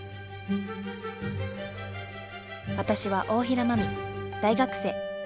私は大平まみ大学生。